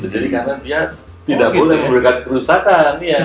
jadi karena dia tidak boleh memberikan kerusakan